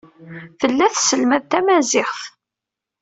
Tella tesselmad tamaziɣt.